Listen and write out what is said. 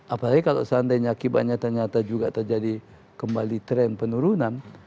apalagi kalau seandainya akibatnya ternyata juga terjadi kembali tren penurunan